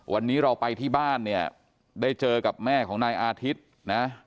วันนี้เราไปที่บ้านเนี่ยได้เจอกับแม่ของนายอาทิตย์นะ